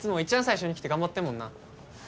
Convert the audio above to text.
最初に来て頑張ってんもんな。